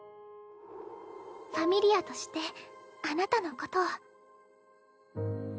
ファミリアとしてあなたのことを。